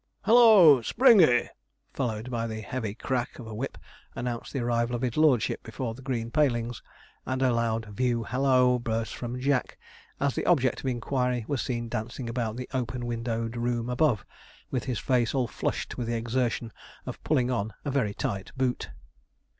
'Halloa! Springey!' followed by the heavy crack of a whip, announced the arrival of his lordship before the green palings; and a loud view halloa burst from Jack, as the object of inquiry was seen dancing about the open windowed room above, with his face all flushed with the exertion of pulling on a very tight boot.